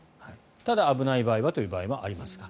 ただ、危ない場合はというのもありますが。